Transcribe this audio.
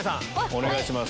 お願いします。